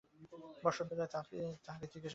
বসন্ত রায় তাহাকে জিজ্ঞাসা করিলেন, কী সীতারাম, কী খবর?